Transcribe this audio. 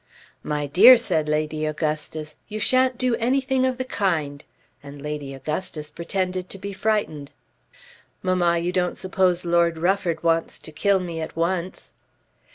"My dear," said Lady Augustus, "you shan't do anything of the kind." And Lady Augustus pretended to be frightened. "Mamma, you don't suppose Lord Rufford wants to kill me at once."